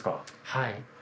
はい。